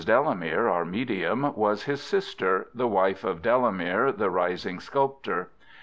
Delamere, our medium, was his sister, the wife of Delamere, the rising sculptor.